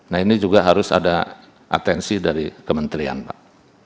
nah ini juga harus ada atensi dari kementerian pak